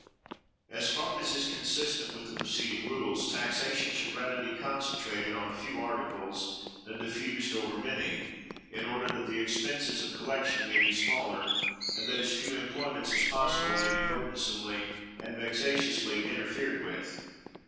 As far as is consistent with the preceding rules, taxation should rather be concentrated on a few articles than diffused over many, in order that the expenses of collection may be smaller, and that as few employments as possible may be burdensomely and vexatiously interfered with.